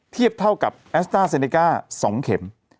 เทียบเท่ากับแอสต้าเซเนก้า๒เข็ม